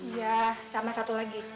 iya sama satu lagi